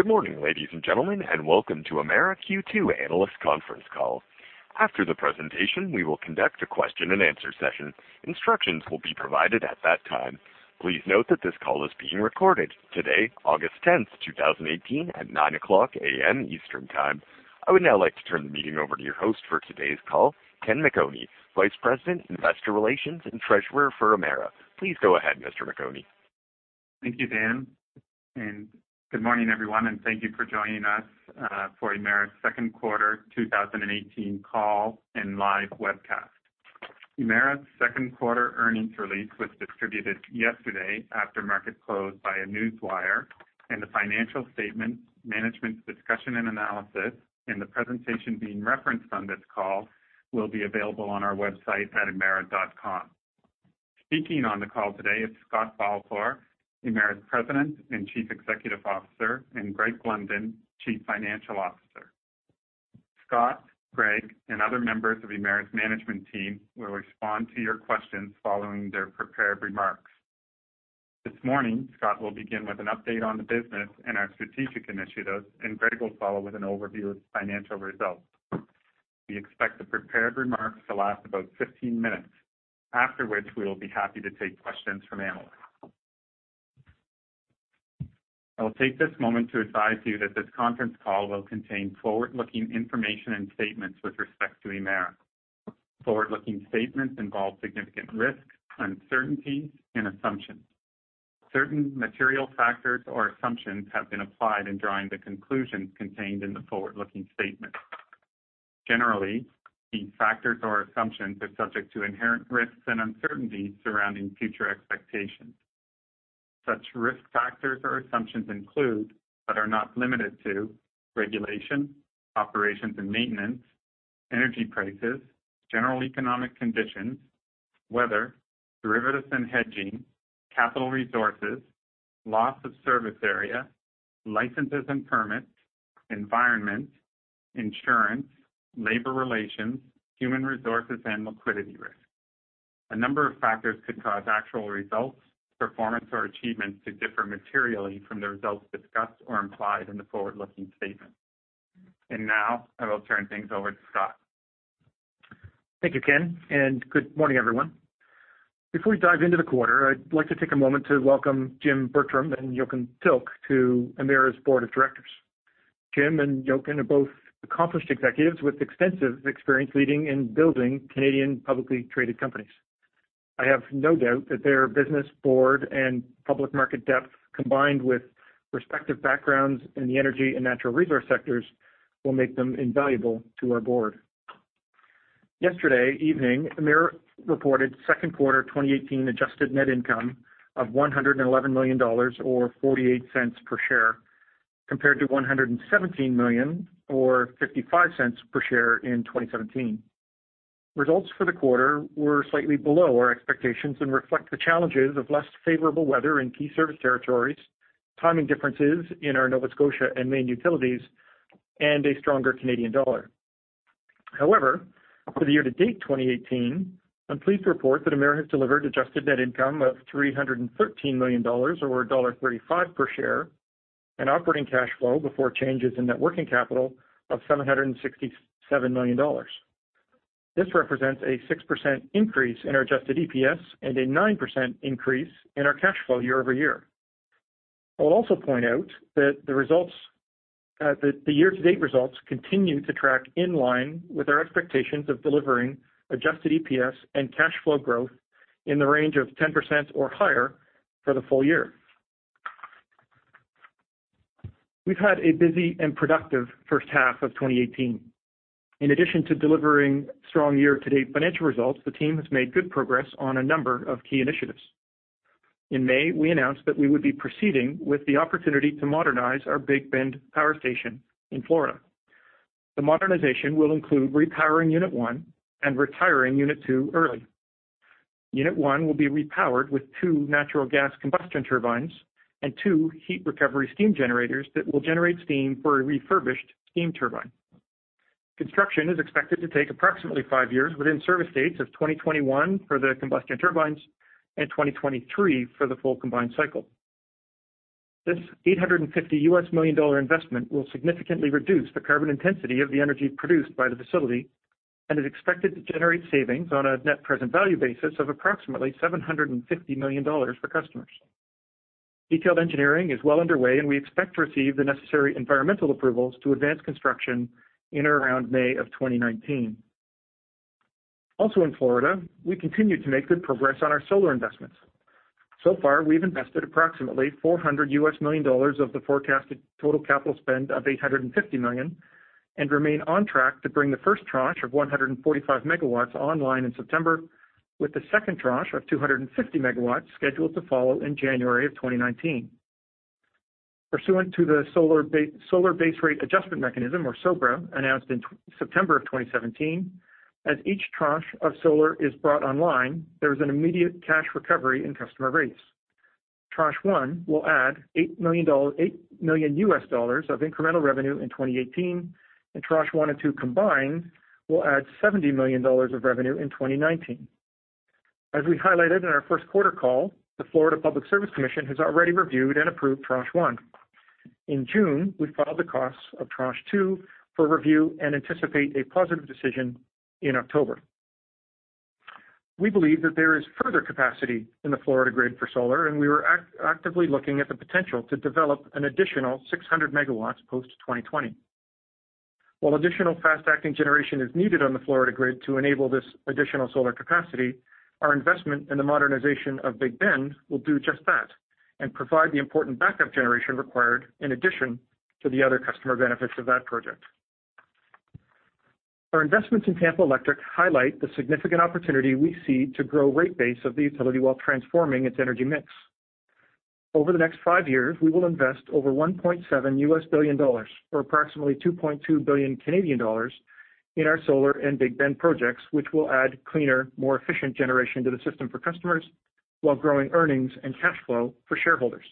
Good morning, ladies and gentlemen, and welcome to Emera Q2 Analyst Conference Call. After the presentation, we will conduct a question and answer session. Instructions will be provided at that time. Please note that this call is being recorded today, August 10, 2018, at 9:00 A.M. Eastern Time. I would now like to turn the meeting over to your host for today's call, Ken McOnie, Vice President, Investor Relations and Treasurer for Emera. Please go ahead, Mr. McOnie. Thank you, Dan, and good morning everyone, and thank you for joining us for Emera's second quarter 2018 call and live webcast. Emera's second-quarter earnings release was distributed yesterday after market close by newswire and the financial statement, management's discussion and analysis, and the presentation being referenced on this call will be available on our website at emera.com. Speaking on the call today is Scott Balfour, Emera's President and Chief Executive Officer, and Greg Blunden, Chief Financial Officer. Scott, Greg, and other members of Emera's management team will respond to your questions following their prepared remarks. This morning, Scott will begin with an update on the business and our strategic initiatives, and Greg will follow with an overview of financial results. We expect the prepared remarks to last about 15 minutes, after which we will be happy to take questions from analysts. I will take this moment to advise you that this conference call will contain forward-looking information and statements with respect to Emera. Forward-looking statements involve significant risks, uncertainties, and assumptions. Certain material factors or assumptions have been applied in drawing the conclusions contained in the forward-looking statements. Generally, these factors or assumptions are subject to inherent risks and uncertainties surrounding future expectations. Such risk factors or assumptions include, but are not limited to, regulation, operations and maintenance, energy prices, general economic conditions, weather, derivatives and hedging, capital resources, loss of service area, licenses and permits, environment, insurance, labor relations, human resources, and liquidity risk. A number of factors could cause actual results, performance, or achievements to differ materially from the results discussed or implied in the forward-looking statement. I will turn things over to Scott. Thank you, Ken, and good morning, everyone. Before we dive into the quarter, I would like to take a moment to welcome James Bertram and Jochen Tilk to Emera's board of directors. Jim and Jochen are both accomplished executives with extensive experience leading and building Canadian publicly-traded companies. I have no doubt that their business board and public market depth, combined with respective backgrounds in the energy and natural resource sectors, will make them invaluable to our board. Yesterday evening, Emera reported second quarter 2018 adjusted net income of 111 million dollars, or 0.48 per share, compared to 117 million or 0.55 per share in 2017. Results for the quarter were slightly below our expectations and reflect the challenges of less favorable weather in key service territories, timing differences in our Nova Scotia and Maine utilities, and a stronger Canadian dollar. For the year-to-date 2018, I'm pleased to report that Emera has delivered adjusted net income of 313 million dollars, or dollar 1.35 per share, and operating cash flow before changes in net working capital of 767 million dollars. This represents a 6% increase in our adjusted EPS and a 9% increase in our cash flow year-over-year. I'll also point out that the year-to-date results continue to track in line with our expectations of delivering adjusted EPS and cash flow growth in the range of 10% or higher for the full year. We've had a busy and productive first half of 2018. In addition to delivering strong year-to-date financial results, the team has made good progress on a number of key initiatives. In May, we announced that we would be proceeding with the opportunity to modernize our Big Bend Power Station in Florida. The modernization will include repowering unit 1 and retiring unit 2 early. Unit 1 will be repowered with two natural gas combustion turbines and two heat recovery steam generators that will generate steam for a refurbished steam turbine. Construction is expected to take approximately five years, with in-service dates of 2021 for the combustion turbines and 2023 for the full combined cycle. This $850 million investment will significantly reduce the carbon intensity of the energy produced by the facility and is expected to generate savings on a net present value basis of approximately $750 million for customers. Detailed engineering is well underway, and we expect to receive the necessary environmental approvals to advance construction in or around May of 2019. In Florida, we continue to make good progress on our solar investments. We've invested approximately $400 million of the forecasted total capital spend of $850 million and remain on track to bring the first Tranche of 145 MW online in September, with the second Tranche of 250 MW scheduled to follow in January of 2019. Pursuant to the Solar Base Rate Adjustment Mechanism, or SoBRA, announced in September of 2017, as each Tranche of solar is brought online, there is an immediate cash recovery in customer rates. Tranche 1 will add $8 million of incremental revenue in 2018, and Tranche 1 and 2 combined will add $70 million of revenue in 2019. As we highlighted in our first quarter call, the Florida Public Service Commission has already reviewed and approved Tranche 1. In June, we filed the costs of Tranche 2 for review and anticipate a positive decision in October. We believe that there is further capacity in the Florida grid for solar, and we are actively looking at the potential to develop an additional 600 MW post-2020. Additional fast-acting generation is needed on the Florida grid to enable this additional solar capacity, our investment in the modernization of Big Bend will do just that and provide the important backup generation required in addition to the other customer benefits of that project. Our investments in Tampa Electric highlight the significant opportunity we see to grow rate base of the utility while transforming its energy mix. Over the next five years, we will invest over $1.7 billion or approximately 2.2 billion Canadian dollars in our solar and Big Bend projects, which will add cleaner, more efficient generation to the system for customers while growing earnings and cash flow for shareholders.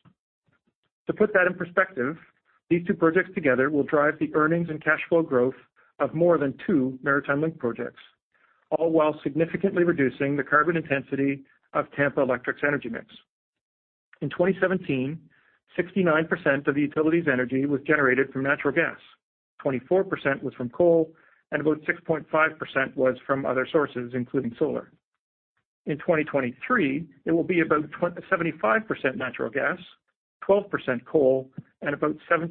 To put that in perspective, these two projects together will drive the earnings and cash flow growth of more than two Maritime Link projects, all while significantly reducing the carbon intensity of Tampa Electric's energy mix. In 2017, 69% of the utility's energy was generated from natural gas, 24% was from coal, and about 6.5% was from other sources, including solar. In 2023, it will be about 75% natural gas, 12% coal, and about 7%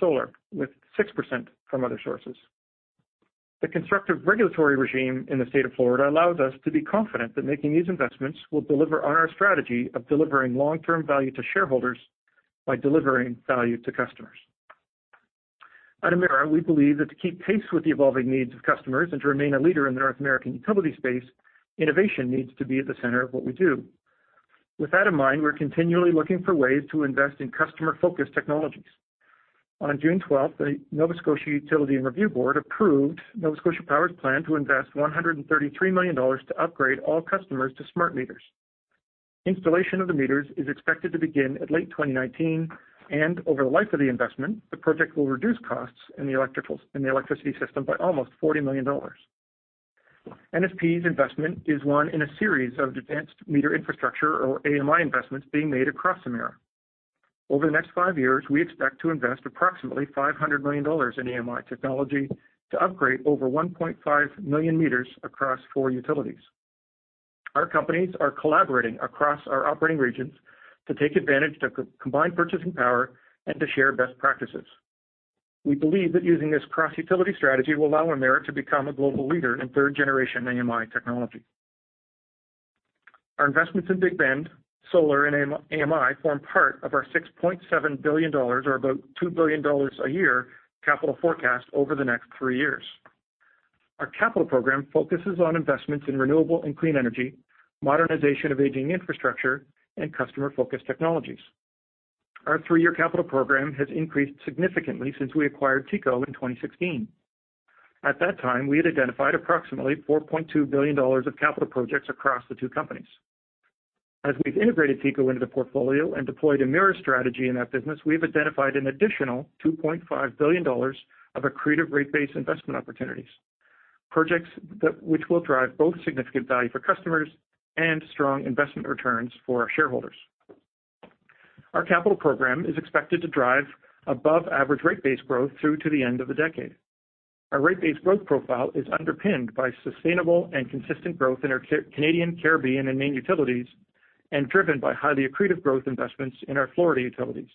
solar, with 6% from other sources. The constructive regulatory regime in the state of Florida allows us to be confident that making these investments will deliver on our strategy of delivering long-term value to shareholders by delivering value to customers. At Emera, we believe that to keep pace with the evolving needs of customers and to remain a leader in the North American utility space, innovation needs to be at the center of what we do. With that in mind, we're continually looking for ways to invest in customer-focused technologies. On June 12th, the Nova Scotia Utility and Review Board approved Nova Scotia Power's plan to invest 133 million dollars to upgrade all customers to smart meters. Installation of the meters is expected to begin in late 2019, and over the life of the investment, the project will reduce costs in the electricity system by almost 40 million dollars. NSP's investment is one in a series of advanced meter infrastructure or AMI investments being made across Emera. Over the next five years, we expect to invest approximately 500 million dollars in AMI technology to upgrade over 1.5 million meters across four utilities. Our companies are collaborating across our operating regions to take advantage of combined purchasing power and to share best practices. We believe that using this cross-utility strategy will allow Emera to become a global leader in third-generation AMI technology. Our investments in Big Bend, solar, and AMI form part of our 6.7 billion dollars or about 2 billion dollars a year capital forecast over the next three years. Our capital program focuses on investments in renewable and clean energy, modernization of aging infrastructure, and customer-focused technologies. Our three-year capital program has increased significantly since we acquired TECO in 2016. At that time, we had identified approximately 4.2 billion dollars of capital projects across the two companies. As we've integrated TECO into the portfolio and deployed Emera strategy in that business, we've identified an additional 2.5 billion dollars of accretive rate base investment opportunities. Projects which will drive both significant value for customers and strong investment returns for our shareholders. Our capital program is expected to drive above-average rate base growth through to the end of the decade. Our rate base growth profile is underpinned by sustainable and consistent growth in our Canadian, Caribbean, and Maine utilities and driven by highly accretive growth investments in our Florida utilities.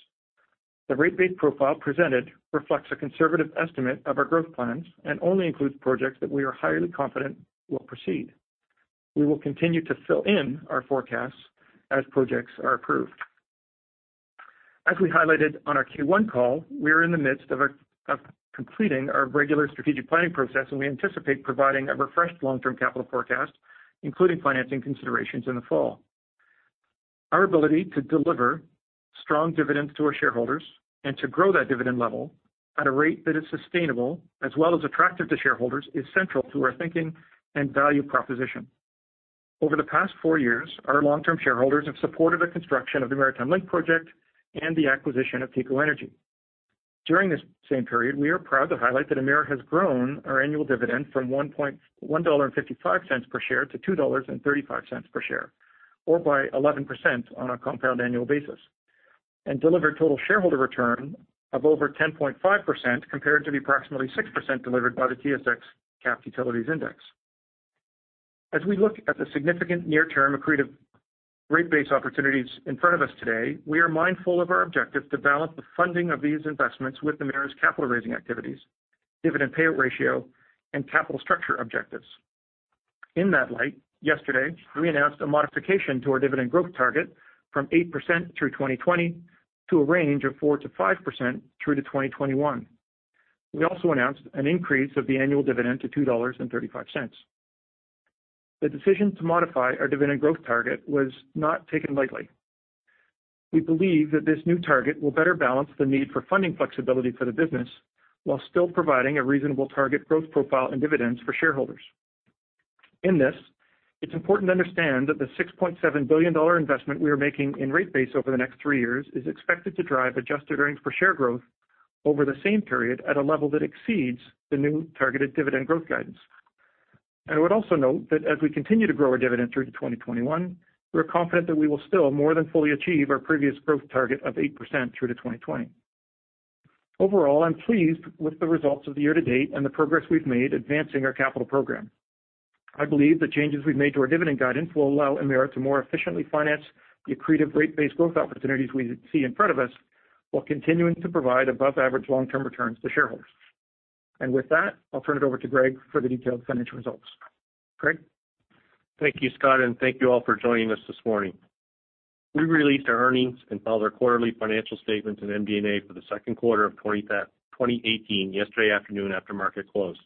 The rate base profile presented reflects a conservative estimate of our growth plans and only includes projects that we are highly confident will proceed. We will continue to fill in our forecasts as projects are approved. As we highlighted on our Q1 call, we are in the midst of completing our regular strategic planning process, and we anticipate providing a refreshed long-term capital forecast, including financing considerations, in the fall. Our ability to deliver strong dividends to our shareholders and to grow that dividend level at a rate that is sustainable as well as attractive to shareholders is central to our thinking and value proposition. Over the past four years, our long-term shareholders have supported the construction of the Maritime Link project and the acquisition of TECO Energy. During this same period, we are proud to highlight that Emera has grown our annual dividend from 1.55 dollar per share to 2.35 dollars per share or by 11% on a compound annual basis and delivered total shareholder return of over 10.5% compared to the approximately 6% delivered by the S&P/TSX Capped Utilities Index. As we look at the significant near-term accretive rate base opportunities in front of us today, we are mindful of our objective to balance the funding of these investments with Emera's capital-raising activities, dividend payout ratio, and capital structure objectives. In that light, yesterday, we announced a modification to our dividend growth target from 8% through 2020 to a range of 4%-5% through to 2021. We also announced an increase of the annual dividend to 2.35 dollars. The decision to modify our dividend growth target was not taken lightly. We believe that this new target will better balance the need for funding flexibility for the business while still providing a reasonable target growth profile and dividends for shareholders. In this, it's important to understand that the 6.7 billion dollar investment we are making in rate base over the next three years is expected to drive adjusted earnings per share growth over the same period at a level that exceeds the new targeted dividend growth guidance. I would also note that as we continue to grow our dividend through to 2021, we're confident that we will still more than fully achieve our previous growth target of 8% through to 2020. Overall, I'm pleased with the results of the year to date and the progress we've made advancing our capital program. I believe the changes we've made to our dividend guidance will allow Emera to more efficiently finance the accretive rate-based growth opportunities we see in front of us, while continuing to provide above-average long-term returns to shareholders. With that, I'll turn it over to Greg for the detailed financial results. Greg? Thank you, Scott, and thank you all for joining us this morning. We released our earnings and filed our quarterly financial statements on MD&A for the second quarter of 2018 yesterday afternoon after market close.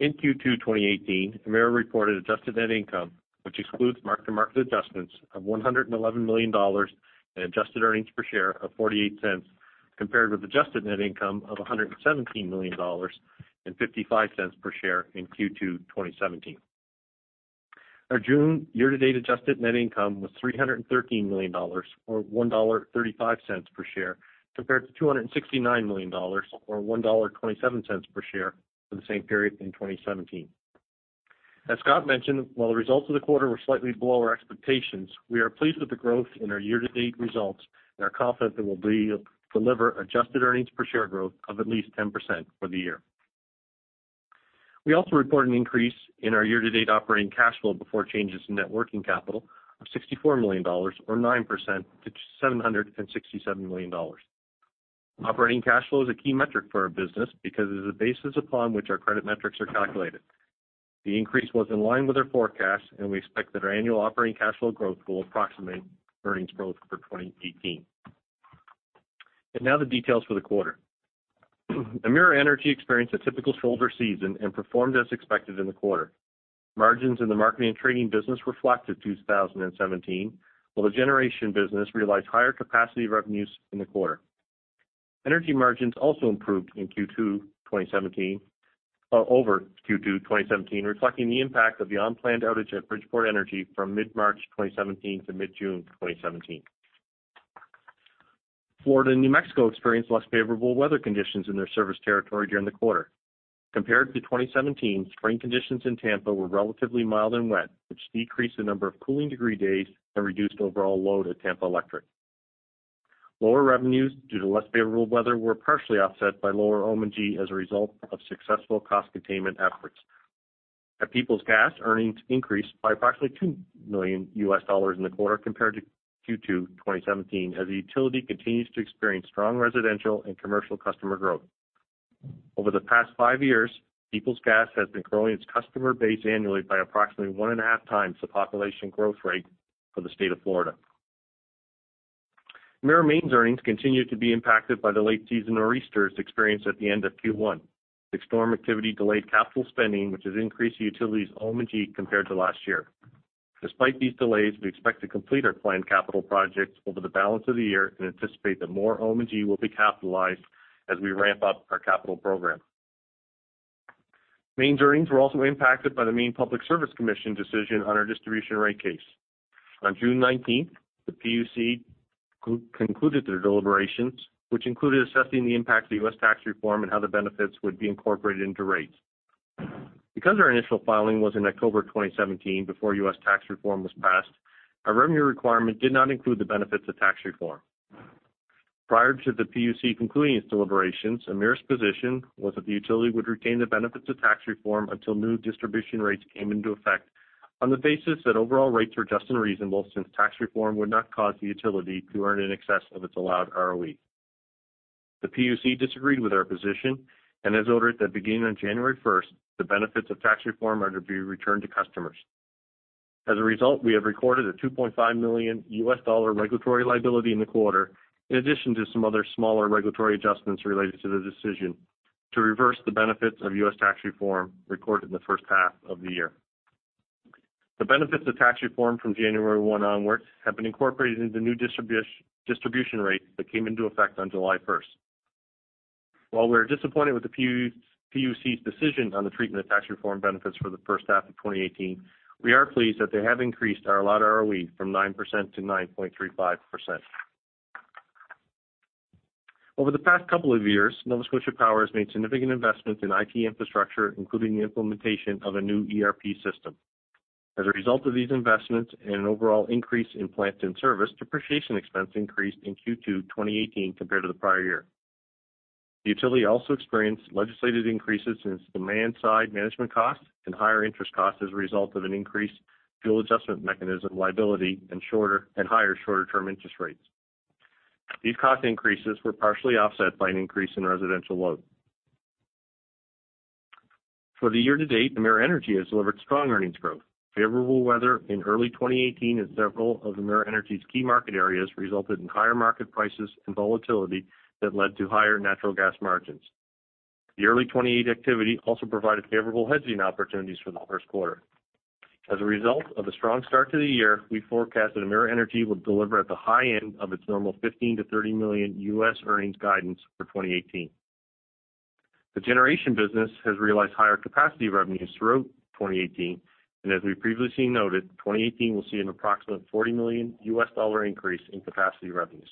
In Q2 2018, Emera reported adjusted net income, which excludes mark-to-market adjustments of 111 million dollars and adjusted earnings per share of 0.48, compared with adjusted net income of 117 million dollars and 0.55 per share in Q2 2017. Our June year-to-date adjusted net income was 313 million dollars, or 1.35 dollar per share, compared to 269 million dollars or 1.27 dollar per share for the same period in 2017. As Scott mentioned, while the results of the quarter were slightly below our expectations, we are pleased with the growth in our year-to-date results and are confident that we'll be able to deliver adjusted earnings per share growth of at least 10% for the year. We also report an increase in our year-to-date operating cash flow before changes in net working capital of 64 million dollars or 9% to 767 million dollars. Operating cash flow is a key metric for our business because it is the basis upon which our credit metrics are calculated. The increase was in line with our forecast, and we expect that our annual operating cash flow growth will approximate earnings growth for 2018. Now the details for the quarter. Emera Energy experienced a typical shoulder season and performed as expected in the quarter. Margins in the marketing and trading business reflected 2017, while the generation business realized higher capacity revenues in the quarter. Energy margins also improved over Q2 2017, reflecting the impact of the unplanned outage at Bridgeport Energy from mid-March 2017 to mid-June 2017. Florida and New Mexico experienced less favorable weather conditions in their service territory during the quarter. Compared to 2017, spring conditions in Tampa were relatively mild and wet, which decreased the number of cooling degree days and reduced overall load at Tampa Electric. Lower revenues due to less favorable weather were partially offset by lower O&M as a result of successful cost containment efforts. At Peoples Gas, earnings increased by approximately $2 million in the quarter compared to Q2 2017, as the utility continues to experience strong residential and commercial customer growth. Over the past 5 years, Peoples Gas has been growing its customer base annually by approximately one and a half times the population growth rate for the state of Florida. Emera Maine's earnings continued to be impacted by the late seasonal nor'easter it experienced at the end of Q1. The storm activity delayed capital spending, which has increased the utility's O&M compared to last year. Despite these delays, we expect to complete our planned capital projects over the balance of the year and anticipate that more O&M will be capitalized as we ramp up our capital program. Maine's earnings were also impacted by the Maine Public Utilities Commission decision on our distribution rate case. On June 19th, the PUC group concluded their deliberations, which included assessing the impact of the U.S. tax reform and how the benefits would be incorporated into rates. Because our initial filing was in October 2017, before U.S. tax reform was passed, our REMU requirement did not include the benefits of tax reform. Prior to the PUC concluding its deliberations, Emera's position was that the utility would retain the benefits of tax reform until new distribution rates came into effect on the basis that overall rates are just and reasonable, since tax reform would not cause the utility to earn in excess of its allowed ROE. The PUC disagreed with our position and has ordered that beginning on January 1st, the benefits of tax reform are to be returned to customers. As a result, we have recorded a CAD 2.5 million regulatory liability in the quarter, in addition to some other smaller regulatory adjustments related to the decision to reverse the benefits of U.S. tax reform recorded in the first half of the year. The benefits of tax reform from January one onwards have been incorporated into the new distribution rates that came into effect on July 1st. While we are disappointed with the PUC's decision on the treatment of tax reform benefits for the first half of 2018, we are pleased that they have increased our allowed ROE from 9% to 9.35%. Over the past couple of years, Nova Scotia Power has made significant investments in IT infrastructure, including the implementation of a new ERP system. As a result of these investments and an overall increase in plants and service, depreciation expense increased in Q2 2018 compared to the prior year. The utility also experienced legislated increases in its demand-side management costs and higher interest costs as a result of an increased fuel adjustment mechanism liability and higher shorter-term interest rates. These cost increases were partially offset by an increase in residential load. For the year to date, Emera Energy has delivered strong earnings growth. Favorable weather in early 2018 in several of Emera Energy's key market areas resulted in higher market prices and volatility that led to higher natural gas margins. The early [2018] activity also provided favorable hedging opportunities for the first quarter. As a result of a strong start to the year, we forecast that Emera Energy will deliver at the high end of its normal $15 million to $30 million USD earnings guidance for 2018. The generation business has realized higher capacity revenues throughout 2018, and as we previously noted, 2018 will see an approximate $40 million USD increase in capacity revenues.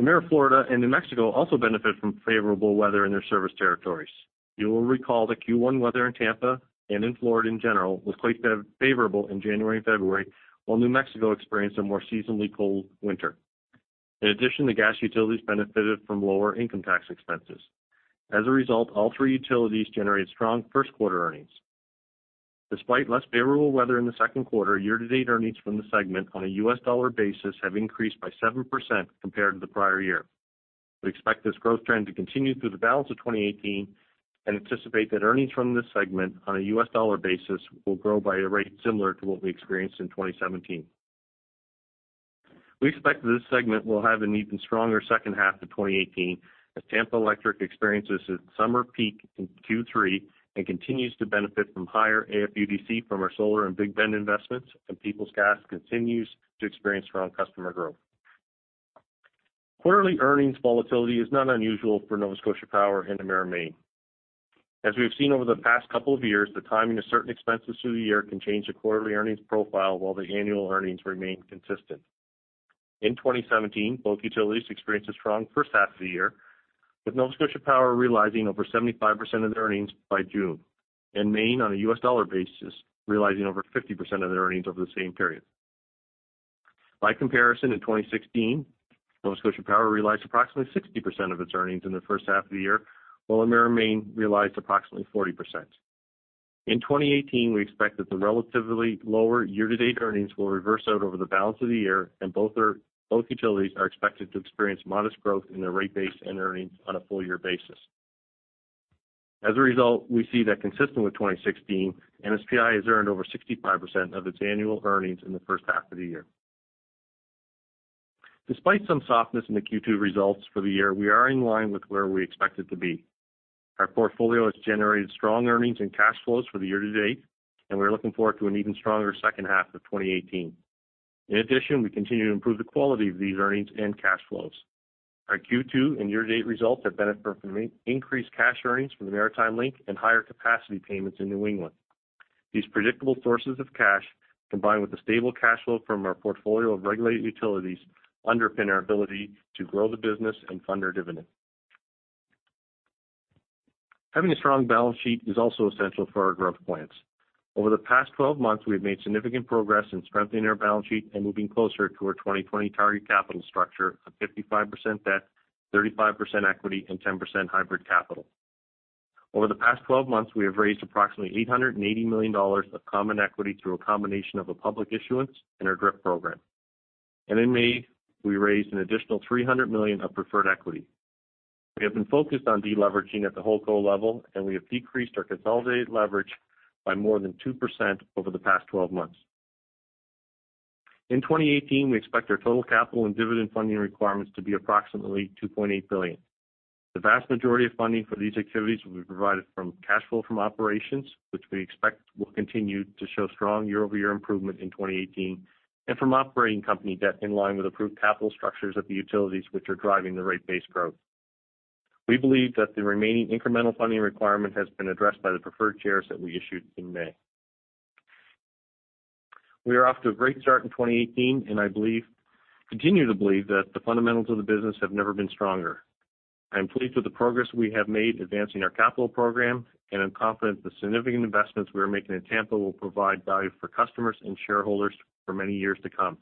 Emera Florida and New Mexico also benefit from favorable weather in their service territories. You will recall the Q1 weather in Tampa, and in Florida in general, was quite favorable in January and February, while New Mexico experienced a more seasonally cold winter. In addition, the gas utilities benefited from lower income tax expenses. As a result, all three utilities generated strong first-quarter earnings. Despite less favorable weather in the second quarter, year-to-date earnings from the segment on a USD basis have increased by 7% compared to the prior year. We expect this growth trend to continue through the balance of 2018 and anticipate that earnings from this segment on a USD basis will grow by a rate similar to what we experienced in 2017. We expect that this segment will have an even stronger second half to 2018, as Tampa Electric experiences its summer peak in Q3 and continues to benefit from higher AFUDC from our solar and Big Bend investments, and Peoples Gas continues to experience strong customer growth. Quarterly earnings volatility is not unusual for Nova Scotia Power and Emera Maine. As we have seen over the past couple of years, the timing of certain expenses through the year can change the quarterly earnings profile while the annual earnings remain consistent. In 2017, both utilities experienced a strong first half of the year, with Nova Scotia Power realizing over 75% of their earnings by June, and Maine, on a USD basis, realizing over 50% of their earnings over the same period. By comparison, in 2016, Nova Scotia Power realized approximately 60% of its earnings in the first half of the year, while Emera Maine realized approximately 40%. In 2018, we expect that the relatively lower year-to-date earnings will reverse out over the balance of the year, and both utilities are expected to experience modest growth in their rate base and earnings on a full-year basis. As a result, we see that consistent with 2016, NSPI has earned over 65% of its annual earnings in the first half of the year. Despite some softness in the Q2 results for the year, we are in line with where we expected to be. Our portfolio has generated strong earnings and cash flows for the year-to-date, and we are looking forward to an even stronger second half of 2018. In addition, we continue to improve the quality of these earnings and cash flows. Our Q2 and year-to-date results have benefited from increased cash earnings from the Maritime Link and higher capacity payments in New England. These predictable sources of cash, combined with the stable cash flow from our portfolio of regulated utilities, underpin our ability to grow the business and fund our dividend. Having a strong balance sheet is also essential for our growth plans. Over the past 12 months, we've made significant progress in strengthening our balance sheet and moving closer to our 2020 target capital structure of 55% debt, 35% equity, and 10% hybrid capital. Over the past 12 months, we have raised approximately 880 million dollars of common equity through a combination of a public issuance and our DRIP program. In May, we raised an additional 300 million of preferred equity. We have been focused on de-leveraging at the holdco level, and we have decreased our consolidated leverage by more than 2% over the past 12 months. In 2018, we expect our total capital and dividend funding requirements to be approximately 2.8 billion. The vast majority of funding for these activities will be provided from cash flow from operations, which we expect will continue to show strong year-over-year improvement in 2018, and from operating company debt in line with approved capital structures of the utilities which are driving the rate base growth. We believe that the remaining incremental funding requirement has been addressed by the preferred shares that we issued in May. We are off to a great start in 2018, and I continue to believe that the fundamentals of the business have never been stronger. I am pleased with the progress we have made advancing our capital program, and I'm confident the significant investments we are making in Tampa will provide value for customers and shareholders for many years to come.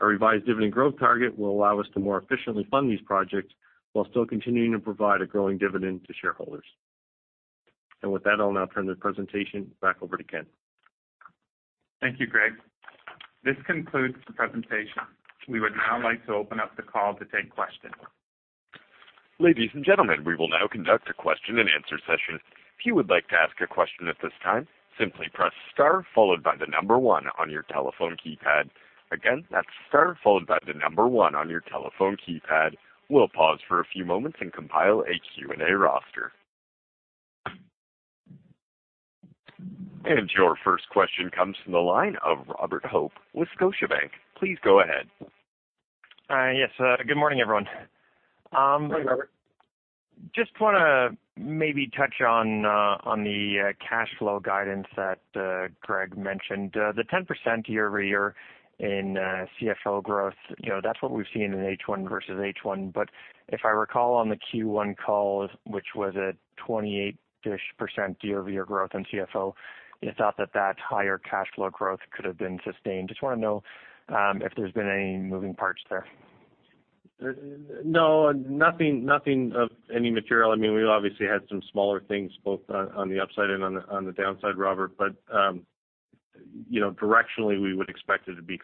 Our revised dividend growth target will allow us to more efficiently fund these projects while still continuing to provide a growing dividend to shareholders. With that, I'll now turn the presentation back over to Ken. Thank you, Greg. This concludes the presentation. We would now like to open up the call to take questions. Ladies and gentlemen, we will now conduct a question and answer session. If you would like to ask a question at this time, simply press star followed by the number 1 on your telephone keypad. Again, that's star followed by the number 1 on your telephone keypad. We'll pause for a few moments and compile a Q&A roster. Your first question comes from the line of Robert Hope with Scotiabank. Please go ahead. Yes. Good morning, everyone. Morning, Robert. Just want to maybe touch on the cash flow guidance that Greg mentioned. The 10% year-over-year in CFO growth, that's what we've seen in H1 versus H1. If I recall on the Q1 call, which was a 28-ish% year-over-year growth in CFO, you thought that that higher cash flow growth could have been sustained. Just want to know if there's been any moving parts there. No, nothing of any material. We obviously had some smaller things both on the upside and on the downside, Robert. Directionally, we would expect it to be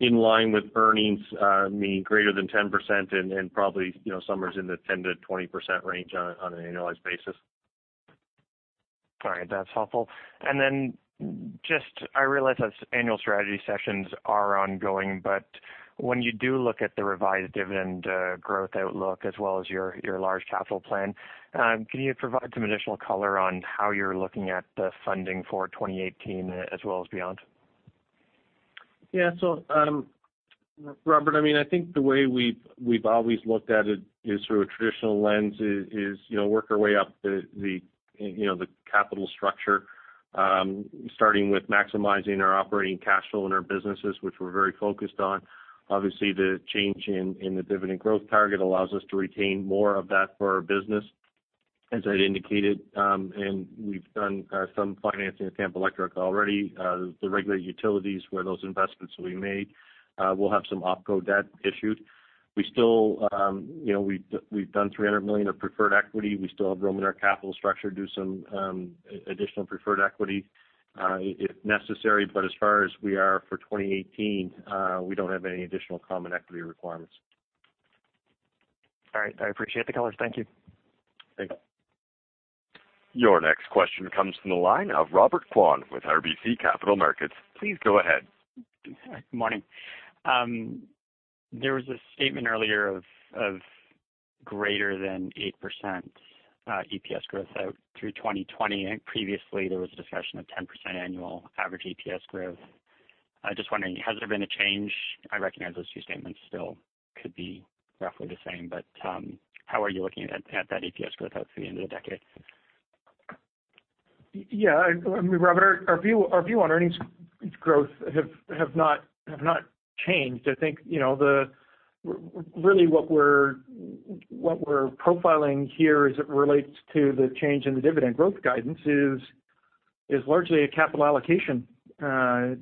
in line with earnings, meaning greater than 10% and probably somewhere in the 10%-20% range on an annualized basis. All right. That's helpful. Then, I realize that annual strategy sessions are ongoing, when you do look at the revised dividend growth outlook as well as your large capital plan, can you provide some additional color on how you're looking at the funding for 2018 as well as beyond? Yeah. Robert, I think the way we've always looked at it is through a traditional lens is, work our way up the capital structure, starting with maximizing our operating cash flow in our businesses, which we're very focused on. Obviously, the change in the dividend growth target allows us to retain more of that for our business, as I'd indicated. We've done some financing at Tampa Electric already. The regulated utilities where those investments will be made, we'll have some OpCo debt issued. We've done 300 million of preferred equity. We still have room in our capital structure to do some additional preferred equity, if necessary. As far as we are for 2018, we don't have any additional common equity requirements. All right. I appreciate the color. Thank you. Thank you. Your next question comes from the line of Robert Kwan with RBC Capital Markets. Please go ahead. Good morning. There was a statement earlier of greater than 8% EPS growth out through 2020. I think previously there was a discussion of 10% annual average EPS growth. I'm just wondering, has there been a change? I recognize those two statements still could be roughly the same, but, how are you looking at that EPS growth out to the end of the decade? I mean, Robert, our view on earnings growth have not changed. I think, really what we're profiling here as it relates to the change in the dividend growth guidance is largely a capital allocation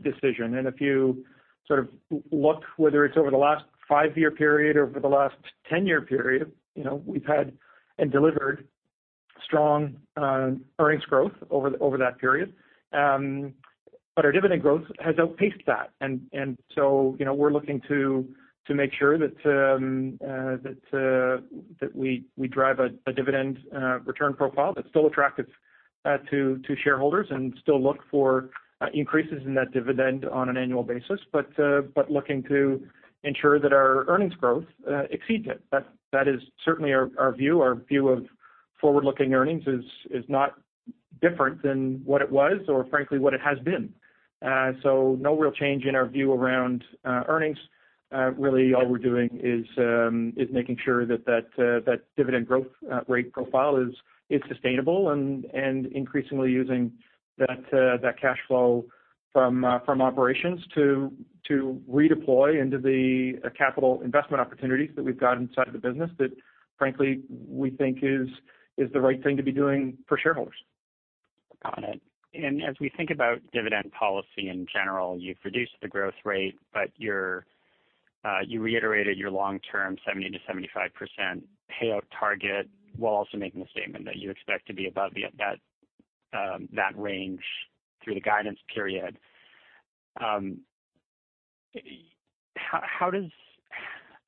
decision. If you sort of look whether it's over the last five-year period or over the last 10-year period, we've had and delivered strong earnings growth over that period. Our dividend growth has outpaced that. We're looking to make sure that we drive a dividend return profile that's still attractive to shareholders and still look for increases in that dividend on an annual basis. Looking to ensure that our earnings growth exceeds it. That is certainly our view. Our view of forward-looking earnings is not different than what it was or frankly what it has been. No real change in our view around earnings. Really all we're doing is making sure that that dividend growth rate profile is sustainable and increasingly using that cash flow from operations to redeploy into the capital investment opportunities that we've got inside the business that frankly we think is the right thing to be doing for shareholders. Got it. As we think about dividend policy in general, you've reduced the growth rate, you reiterated your long-term 70%-75% payout target, while also making the statement that you expect to be above that range through the guidance period. I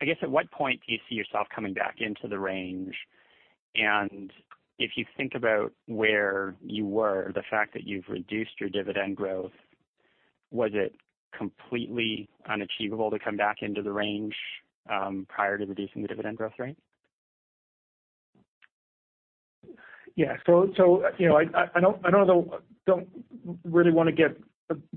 guess at what point do you see yourself coming back into the range? If you think about where you were, the fact that you've reduced your dividend growth, was it completely unachievable to come back into the range, prior to reducing the dividend growth rate? I don't really want to get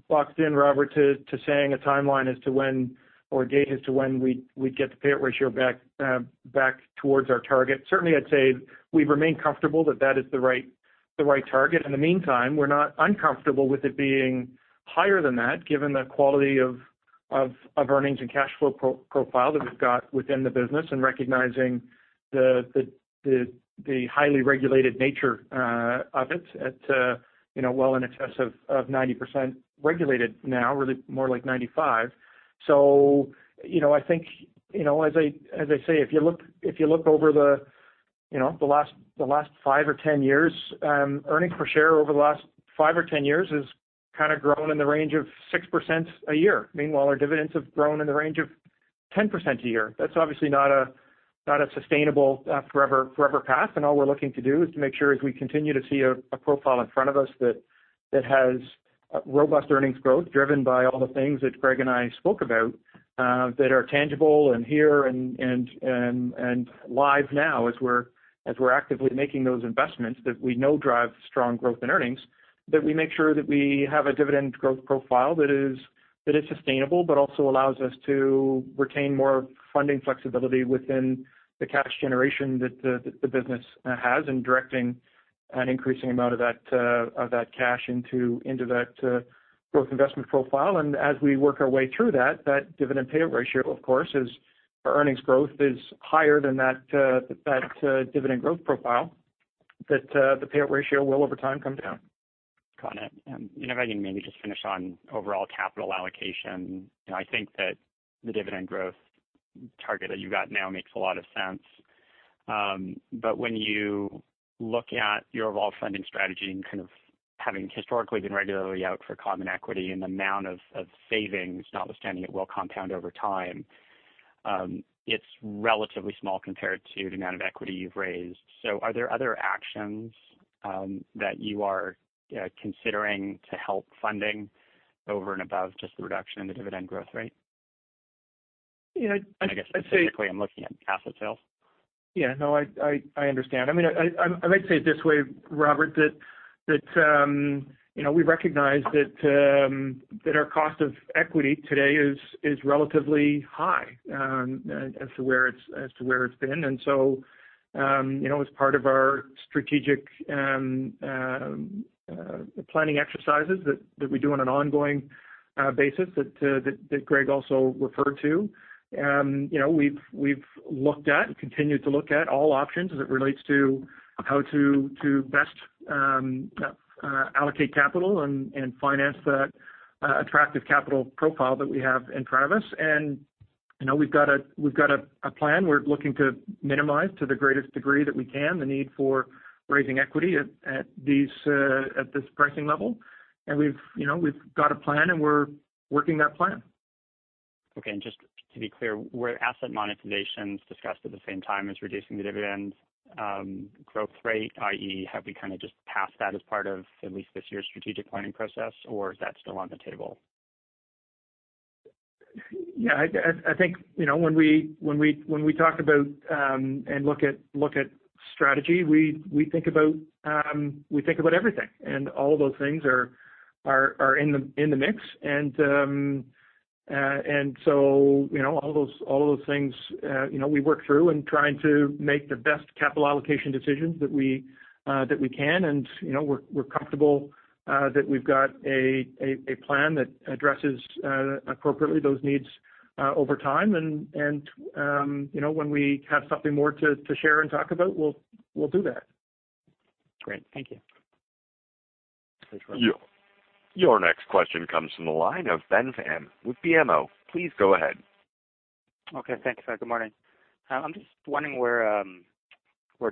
boxed in, Robert, to saying a timeline as to when, or a date as to when we'd get the payout ratio back towards our target. Certainly, I'd say we remain comfortable that that is the right target. In the meantime, we're not uncomfortable with it being higher than that, given the quality of earnings and cash flow profile that we've got within the business and recognizing the highly regulated nature of it at well in excess of 90% regulated now, really more like 95%. I think, as I say, if you look over the last five or 10 years, earnings per share over the last five or 10 years has kind of grown in the range of 6% a year. Meanwhile, our dividends have grown in the range of 10% a year. That's obviously not a sustainable forever path. All we're looking to do is to make sure as we continue to see a profile in front of us that has robust earnings growth driven by all the things that Greg and I spoke about, that are tangible and here and live now as we're actively making those investments that we know drive strong growth and earnings. That we make sure that we have a dividend growth profile that is sustainable, but also allows us to retain more funding flexibility within the cash generation that the business has and directing an increasing amount of that cash into that growth investment profile. As we work our way through that dividend payout ratio, of course, as our earnings growth is higher than that dividend growth profile, the payout ratio will over time come down. Got it. If I can maybe just finish on overall capital allocation. I think that the dividend growth target that you've got now makes a lot of sense. When you look at your overall funding strategy and kind of having historically been regularly out for common equity and the amount of savings, notwithstanding it will compound over time, it's relatively small compared to the amount of equity you've raised. Are there other actions that you are considering to help funding over and above just the reduction in the dividend growth rate? I guess specifically I'm looking at asset sales. I understand. I might say it this way, Robert, that we recognize that our cost of equity today is relatively high as to where it's been. As part of our strategic planning exercises that we do on an ongoing basis that Greg also referred to, we've looked at and continue to look at all options as it relates to how to best allocate capital and finance that attractive capital profile that we have in front of us. We've got a plan. We're looking to minimize, to the greatest degree that we can, the need for raising equity at this pricing level. We've got a plan, and we're working that plan. Okay, just to be clear, were asset monetizations discussed at the same time as reducing the dividend growth rate, i.e., have we kind of just passed that as part of at least this year's strategic planning process, or is that still on the table? I think, when we talk about and look at strategy, we think about everything, and all of those things are in the mix. All of those things we work through in trying to make the best capital allocation decisions that we can. We're comfortable that we've got a plan that addresses, appropriately, those needs over time. When we have something more to share and talk about, we'll do that. Great. Thank you. Thanks, Robert. Your next question comes from the line of Ben Pham with BMO. Please go ahead. Okay, thanks, good morning. I'm just wondering where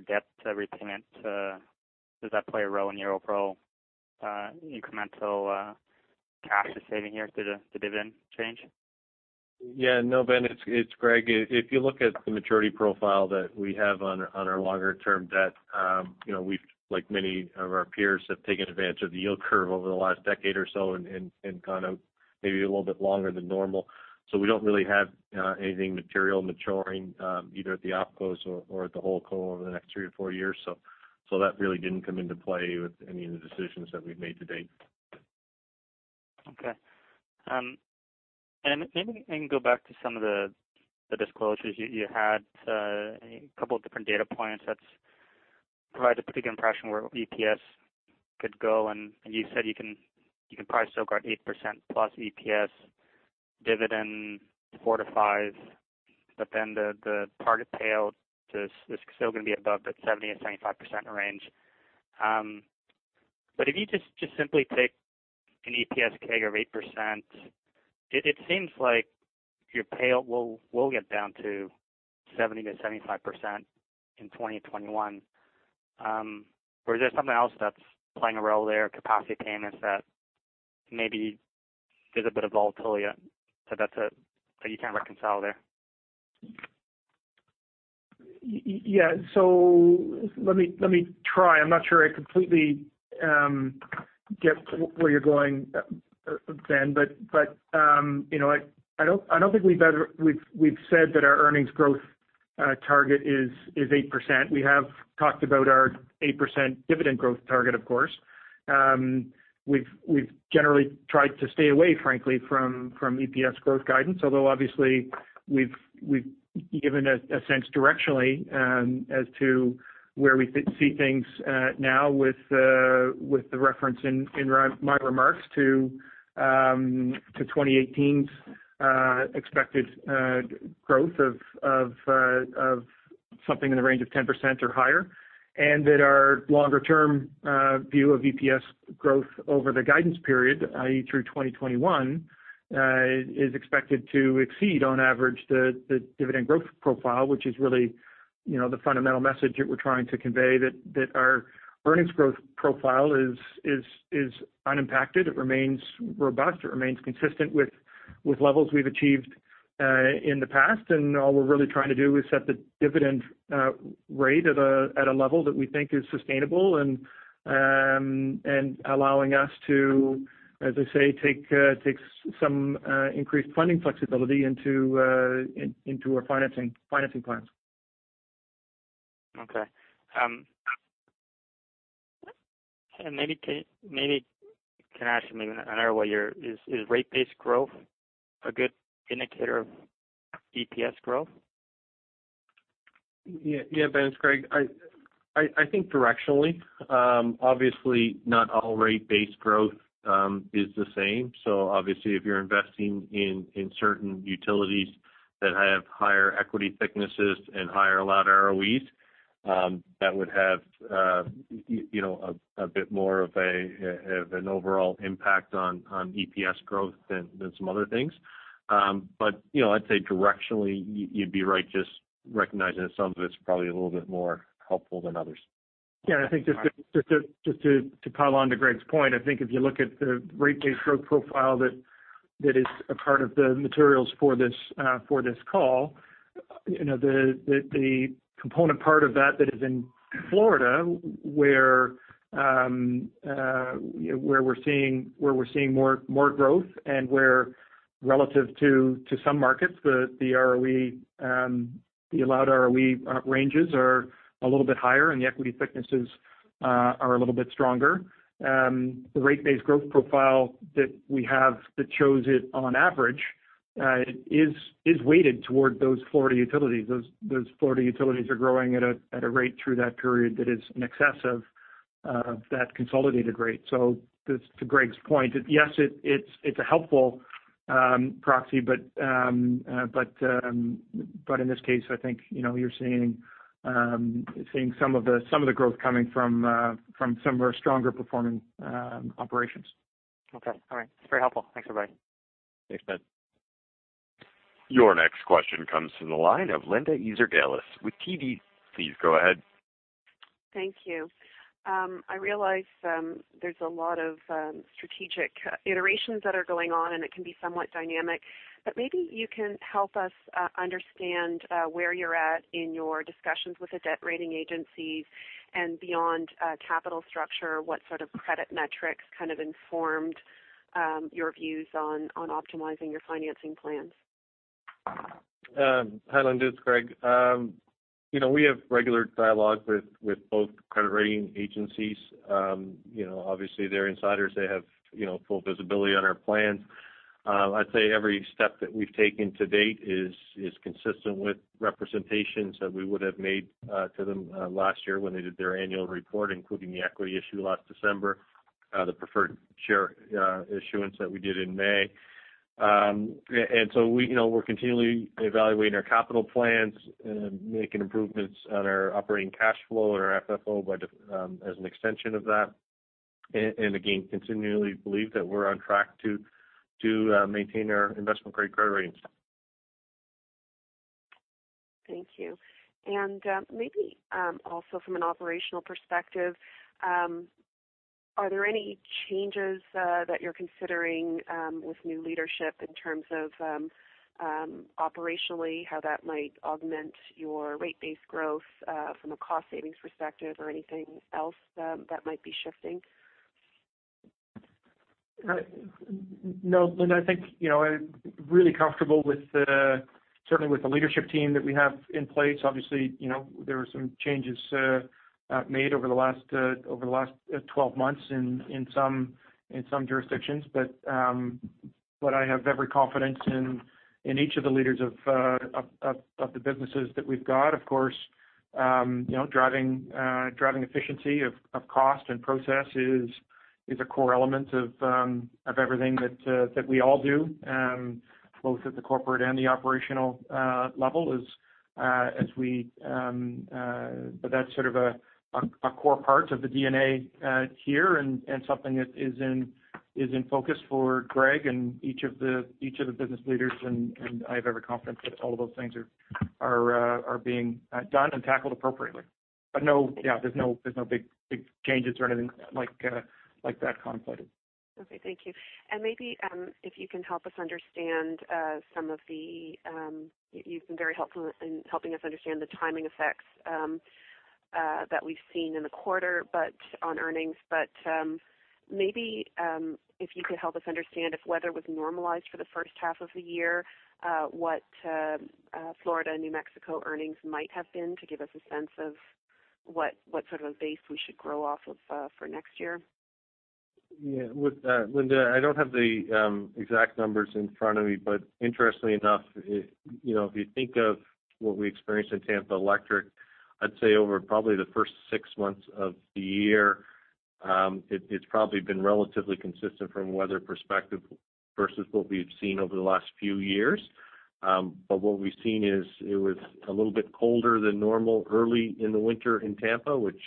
debt repayment, does that play a role in your overall incremental cash to saving here through the dividend change? Yeah. No, Ben, it's Greg. If you look at the maturity profile that we have on our longer-term debt, we've, like many of our peers, have taken advantage of the yield curve over the last decade or so and kind of maybe a little bit longer than normal. We don't really have anything material maturing, either at the OpCos or at the holdco over the next three or four years. That really didn't come into play with any of the decisions that we've made to date. Okay. Maybe I can go back to some of the disclosures you had, a couple of different data points that provide a pretty good impression where EPS could go, you said you can probably still grow at 8%+ EPS, dividend 4% to 5%, the target payout is still going to be above the 70%-75% range. If you just simply take an EPS CAGR of 8%, it seems like your payout will get down to 70%-75% in 2021. Is there something else that's playing a role there, capacity payments that maybe there's a bit of volatility that you can't reconcile there? Yeah. Let me try. I'm not sure I completely get where you're going, Ben, but I don't think we've said that our earnings growth target is 8%. We have talked about our 8% dividend growth target, of course. We've generally tried to stay away, frankly, from EPS growth guidance, although obviously we've given a sense directionally as to where we see things now with the reference in my remarks to 2018's expected growth of something in the range of 10%+, and that our longer-term view of EPS growth over the guidance period, i.e., through 2021, is expected to exceed, on average, the dividend growth profile. Which is really the fundamental message that we're trying to convey, that our earnings growth profile is unimpacted. It remains robust. It remains consistent with levels we've achieved in the past. All we're really trying to do is set the dividend rate at a level that we think is sustainable and allowing us to, as I say, take some increased funding flexibility into our financing plans. Okay. Maybe can I ask you maybe another way, is rate-based growth a good indicator of EPS growth? Yeah, Ben, it's Greg. I think directionally. Obviously, not all rate-based growth is the same. Obviously if you're investing in certain utilities that have higher equity thicknesses and higher allowed ROEs, that would have a bit more of an overall impact on EPS growth than some other things. I'd say directionally, you'd be right just recognizing that some of it's probably a little bit more helpful than others. Yeah, I think just to pile on to Greg's point, I think if you look at the rate-based growth profile that is a part of the materials for this call. The component part of that is in Florida, where we're seeing more growth and where relative to some markets, the allowed ROE ranges are a little bit higher and the equity thicknesses are a little bit stronger. The rate-based growth profile that we have that shows it on average, is weighted toward those Florida utilities. Those Florida utilities are growing at a rate through that period that is in excess of that consolidated rate. To Greg's point, yes, it's a helpful proxy, but in this case, I think you're seeing some of the growth coming from some of our stronger performing operations. Okay. All right. It's very helpful. Thanks, everybody. Thanks, Ben. Your next question comes from the line of Linda Ezergailis with TD. Please go ahead. Thank you. I realize there's a lot of strategic iterations that are going on, and it can be somewhat dynamic. Maybe you can help us understand where you're at in your discussions with the debt rating agencies and beyond capital structure, what sort of credit metrics kind of informed your views on optimizing your financing plans? Hi, Linda. It's Greg. We have regular dialogue with both credit rating agencies. Obviously, they're insiders. They have full visibility on our plans. I'd say every step that we've taken to date is consistent with representations that we would have made to them last year when they did their annual report, including the equity issue last December, the preferred share issuance that we did in May. We're continually evaluating our capital plans and making improvements on our operating cash flow and our FFO as an extension of that. Again, continually believe that we're on track to maintain our investment-grade credit ratings. Thank you. Maybe, also from an operational perspective, are there any changes that you're considering with new leadership in terms of operationally, how that might augment your rate-based growth, from a cost savings perspective or anything else that might be shifting? No, Linda, I think, I'm really comfortable certainly with the leadership team that we have in place. Obviously, there were some changes made over the last 12 months in some jurisdictions. I have every confidence in each of the leaders of the businesses that we've got. Of course, driving efficiency of cost and process is a core element of everything that we all do, both at the corporate and the operational level. That's sort of a core part of the DNA here and something that is in focus for Greg and each of the business leaders. I have every confidence that all of those things are being done and tackled appropriately. No, there's no big changes or anything like that contemplated. Okay. Thank you. Maybe, if you can help us understand some of the You've been very helpful in helping us understand the timing effects that we've seen in the quarter on earnings. Maybe, if you could help us understand if weather was normalized for the first half of the year, what Florida and New Mexico earnings might have been to give us a sense of what sort of a base we should grow off of for next year? Yeah. With that, Linda, I don't have the exact numbers in front of me, interestingly enough, if you think of what we experienced in Tampa Electric, I'd say over probably the first 6 months of the year, it's probably been relatively consistent from a weather perspective versus what we've seen over the last few years. What we've seen is it was a little bit colder than normal early in the winter in Tampa, which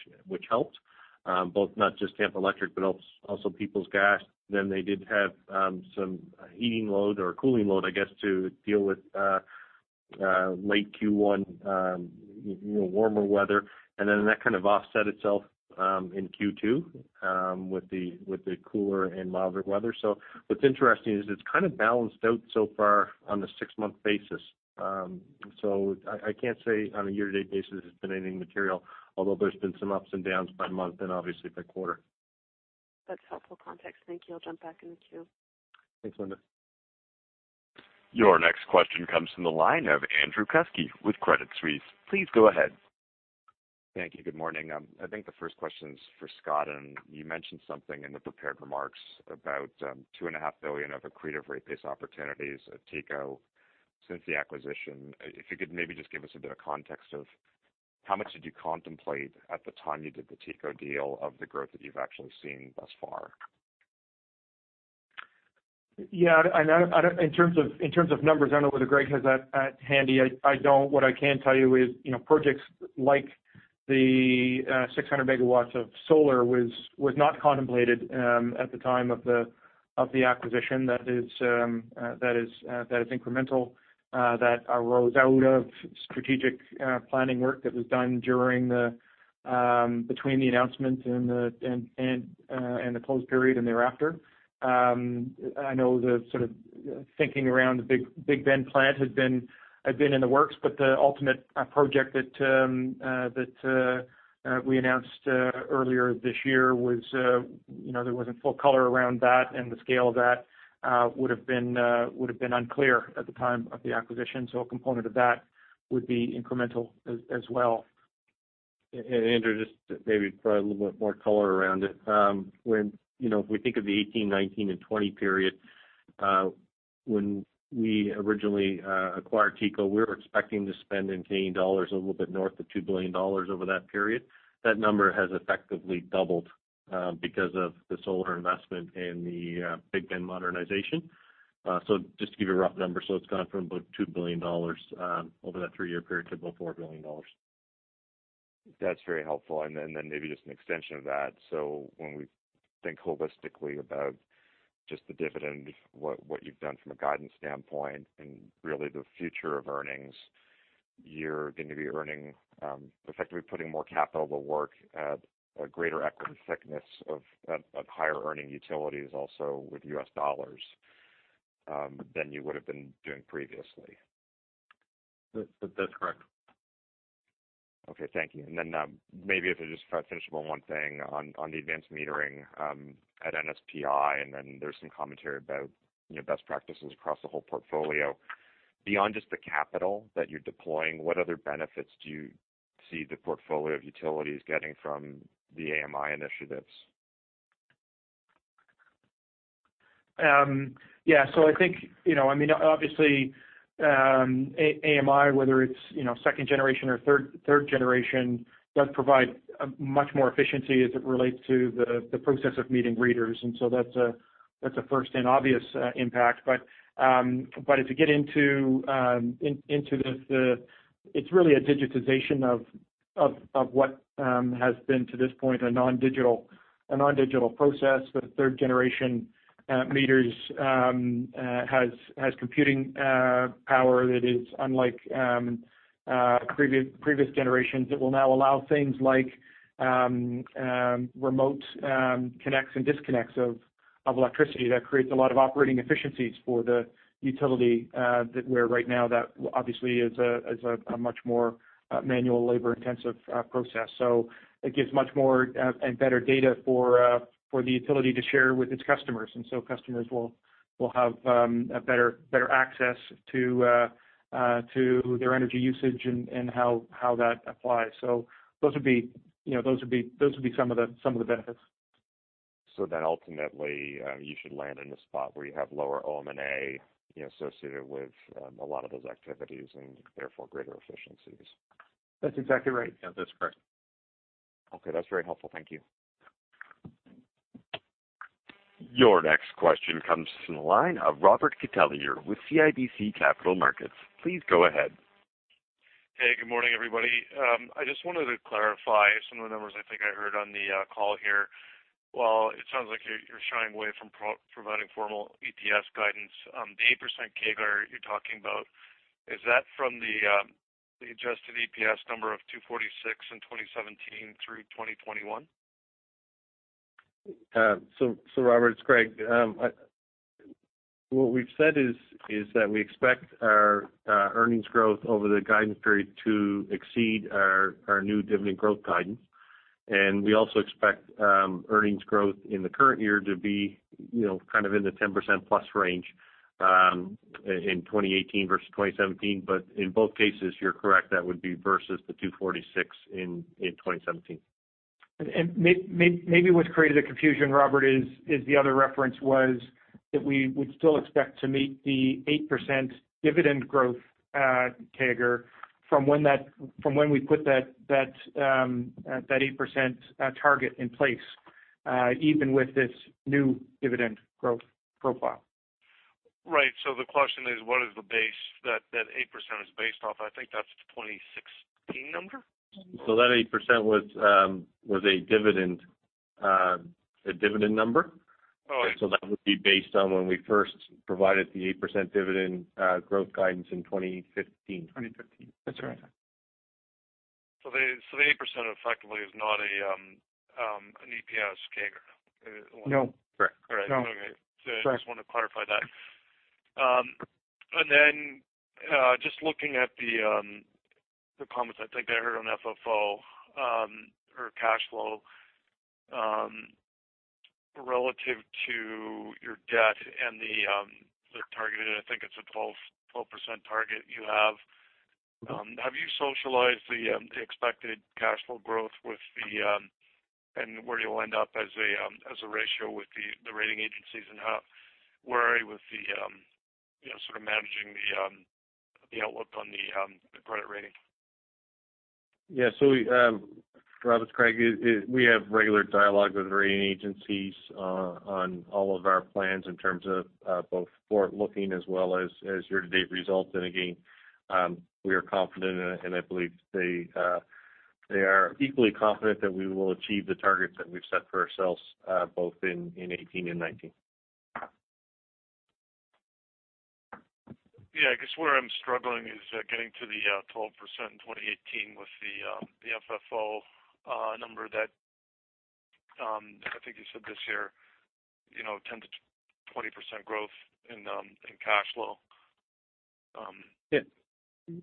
helped. Both not just Tampa Electric, but also Peoples Gas. They did have some heating load or cooling load, I guess, to deal with late Q1 warmer weather. That kind of offset itself in Q2 with the cooler and moderate weather. What's interesting is it's kind of balanced out so far on the 6-month basis. I can't say on a year-to-date basis it's been anything material, although there's been some ups and downs by month and obviously by quarter. That's helpful context. Thank you. I'll jump back in the queue. Thanks, Linda. Your next question comes from the line of Andrew Kuske with Credit Suisse. Please go ahead. Thank you. Good morning. I think the first question's for Scott, you mentioned something in the prepared remarks about two and a half billion of accretive rate base opportunities at TECO since the acquisition. If you could maybe just give us a bit of context of how much did you contemplate at the time you did the TECO deal of the growth that you've actually seen thus far? Yeah. In terms of numbers, I don't know whether Greg has that handy. I don't. What I can tell you is projects like the 600 MW of solar was not contemplated at the time of the acquisition. That is incremental, that arose out of strategic planning work that was done between the announcement and the close period and thereafter. I know the sort of thinking around the Big Bend plant had been in the works, but the ultimate project that we announced earlier this year, there wasn't full color around that, and the scale of that would have been unclear at the time of the acquisition. A component of that would be incremental as well. Andrew, just maybe provide a little bit more color around it. When we think of the 2018, 2019, and 2020 period, when we originally acquired TECO, we were expecting to spend in CAD a little bit north of 2 billion dollars over that period. That number has effectively doubled because of the solar investment and the Big Bend modernization. Just to give you a rough number, so it's gone from about 2 billion dollars over that three-year period to about 4 billion dollars. That's very helpful. Then maybe just an extension of that. When we think holistically about just the dividend, what you've done from a guidance standpoint and really the future of earnings, you're going to be effectively putting more capital to work at a greater equity thickness of higher-earning utilities also with U.S. dollars, than you would have been doing previously. That's correct. Okay. Thank you. Then maybe if I could just finish up on one thing on the advanced metering at NSPI, and then there's some commentary about best practices across the whole portfolio. Beyond just the capital that you're deploying, what other benefits do you see the portfolio of utilities getting from the AMI initiatives? Yeah. I think, obviously, AMI, whether it's second generation or third generation, does provide much more efficiency as it relates to the process of meeting readers. That's a first and obvious impact. If you get into this, it's really a digitization of what has been, to this point, a non-digital process with third-generation meters, has computing power that is unlike previous generations that will now allow things like remote connects and disconnects of electricity. That creates a lot of operating efficiencies for the utility, that where right now that obviously is a much more manual labor-intensive process. It gives much more and better data for the utility to share with its customers. Customers will have better access to their energy usage and how that applies. Those would be some of the benefits. Ultimately, you should land in a spot where you have lower OM&A associated with a lot of those activities and therefore greater efficiencies. That's exactly right. Yeah. That's correct. Okay. That's very helpful. Thank you. Your next question comes from the line of Robert Catellier with CIBC Capital Markets. Please go ahead. Hey, good morning, everybody. I just wanted to clarify some of the numbers I think I heard on the call here. While it sounds like you're shying away from providing formal EPS guidance, the 8% CAGR you're talking about, is that from the adjusted EPS number of 2.46 in 2017 through 2021? Robert, it's Greg. What we've said is that we expect our earnings growth over the guidance period to exceed our new dividend growth guidance. We also expect earnings growth in the current year to be kind of in the 10%-plus range, in 2018 versus 2017. In both cases, you're correct, that would be versus the 2.46 in 2017. Maybe what's created the confusion, Robert, is the other reference was that we would still expect to meet the 8% dividend growth CAGR from when we put that 8% target in place, even with this new dividend growth profile. Right. The question is, what is the base that 8% is based off? I think that is the 2016 number? That 8% was a dividend number. Oh, okay. That would be based on when we first provided the 8% dividend growth guidance in 2015. 2015. That's right. The 8% effectively is not an EPS CAGR. No. Correct. All right. Okay. No. I just wanted to clarify that. Looking at the comments, I think I heard on FFO or cash flow, relative to your debt and the target, I think it's a 12% target you have. Have you socialized the expected cash flow growth and where you'll end up as a ratio with the rating agencies, and how wary with the sort of managing the outlook on the credit rating? Robert, it's Greg. We have regular dialogue with rating agencies on all of our plans in terms of both forward-looking as well as year-to-date results. Again, we are confident, and I believe they are equally confident that we will achieve the targets that we've set for ourselves, both in 2018 and 2019. Yeah, I guess where I'm struggling is getting to the 12% in 2018 with the FFO number that I think you said this year, 10% to 20% growth in cash flow.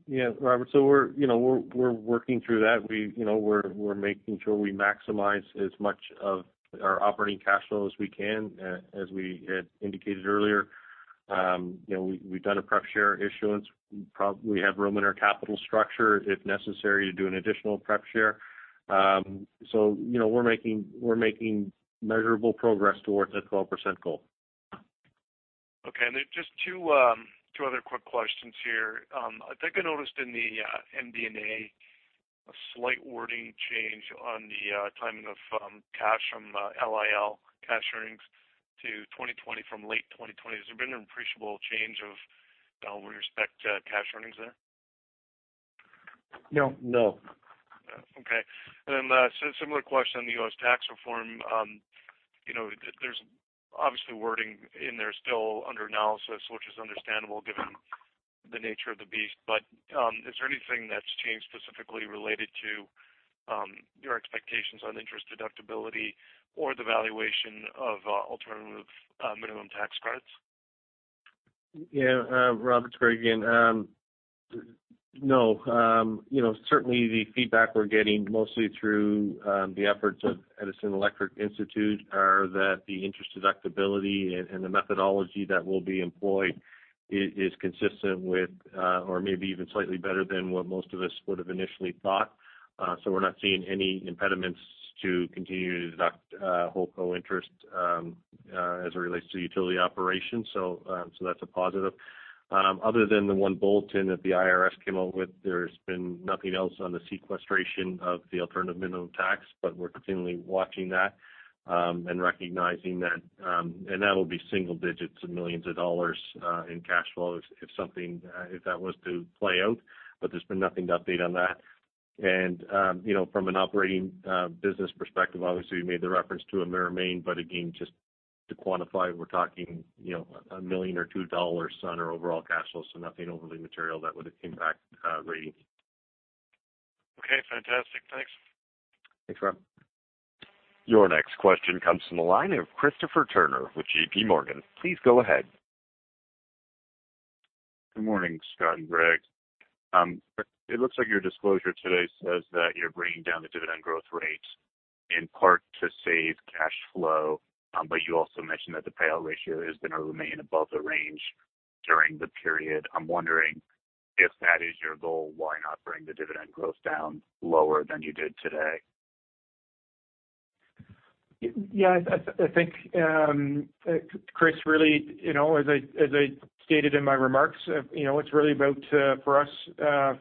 Yeah. Robert, we're working through that. We're making sure we maximize as much of our operating cash flow as we can, as we had indicated earlier. We've done a pref share issuance. We have room in our capital structure, if necessary, to do an additional pref share. We're making measurable progress towards that 12% goal. Okay. Then just two other quick questions here. I think I noticed in the MD&A a slight wording change on the timing of cash from LIL cash earnings to 2020 from late 2020. Has there been an appreciable change with respect to cash earnings there? No. No. Okay. Similar question on the U.S. tax reform. There's obviously wording in there still under analysis, which is understandable given the nature of the beast, but is there anything that's changed specifically related to your expectations on interest deductibility or the valuation of alternative minimum tax credits? Yeah. Robert, it's Greg again. No. Certainly, the feedback we're getting mostly through the efforts of Edison Electric Institute are that the interest deductibility and the methodology that will be employed is consistent with or maybe even slightly better than what most of us would have initially thought. We're not seeing any impediments to continue to deduct holdco interest as it relates to utility operations. That's a positive. Other than the one bulletin that the IRS came out with, there's been nothing else on the sequestration of the alternative minimum tax, but we're continually watching that and recognizing that. That'll be single digits of millions of CAD in cash flow if that was to play out, but there's been nothing to update on that. From an operating business perspective, obviously, we made the reference to Emera Maine, but again, just to quantify, we're talking 1 million or 2 dollars on our overall cash flow, nothing overly material that would impact ratings. Okay. Fantastic. Thanks. Thanks, Rob. Your next question comes from the line of Christopher Turnere with JPMorgan. Please go ahead. Good morning, Scott and Greg. It looks like your disclosure today says that you're bringing down the dividend growth rate in part to save cash flow. You also mentioned that the payout ratio is going to remain above the range during the period. I'm wondering if that is your goal, why not bring the dividend growth down lower than you did today? Yeah. I think, Chris, really, as I stated in my remarks, it's really about, for us,